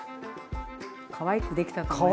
かわいくできたと思います。